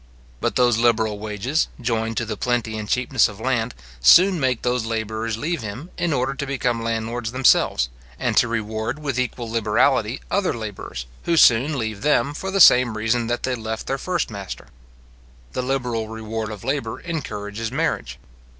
But those liberal wages, joined to the plenty and cheapness of land, soon make those labourers leave him, in order to become landlords themselves, and to reward with equal liberality other labourers, who soon leave them for the same reason that they left their first master. The liberal reward of labour encourages marriage.